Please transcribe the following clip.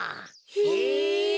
へえ。